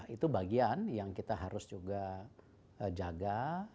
itu bagian yang kita harus juga jaga